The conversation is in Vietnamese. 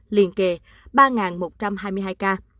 liên kề ba một trăm hai mươi hai ca